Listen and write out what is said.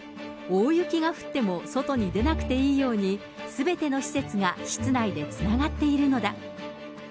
大雪が降っても外に出なくていいように、すべての施設が室内でつながっているのだ。